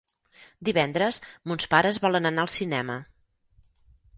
Divendres mons pares volen anar al cinema.